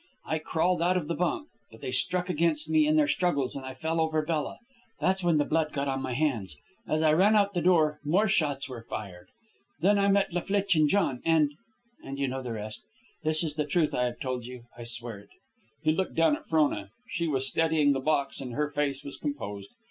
I crawled out of the bunk, but they struck against me in their struggles, and I fell over Bella. That's when the blood got on my hands. As I ran out the door, more shots were fired. Then I met La Flitche and John, and ... and you know the rest. This is the truth I have told you, I swear it!" He looked down at Frona. She was steadying the box, and her face was composed.